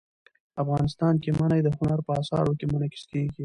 افغانستان کې منی د هنر په اثار کې منعکس کېږي.